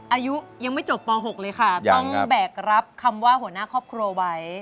อายุยังไม่จบป๖เลยค่ะต้องแบกรับคำว่าหัวหน้าครอบครัวไว้